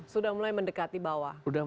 sudah mulai mendekati bawah